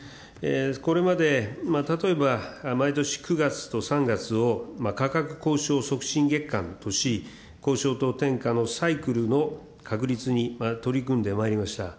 これまで、例えば毎年９月と３月を価格交渉促進月間とし、交渉と転嫁のサイクルの確立に取り組んでまいりました。